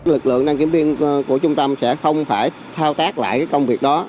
lực lượng đăng kiểm viên của trung tâm sẽ không phải thao tác lại công việc đó